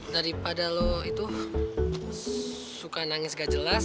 daripada lo itu suka nangis gak jelas